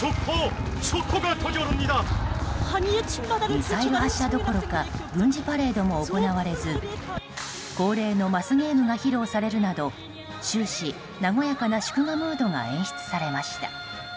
ミサイル発射どころか軍事パレードも行われず恒例のマスゲームが披露されるなど終始、和やかな祝賀ムードが演出されました。